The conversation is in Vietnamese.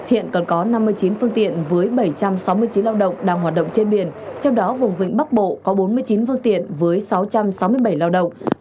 hiện còn có năm mươi chín phương tiện với bảy trăm sáu mươi chín lao động đang hoạt động trên biển trong đó vùng vịnh bắc bộ có bốn mươi chín phương tiện với sáu trăm sáu mươi bảy lao động